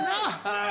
はい。